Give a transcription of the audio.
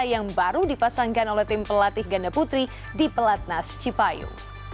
yang baru dipasangkan oleh tim pelatih ganda putri di pelatnas cipayu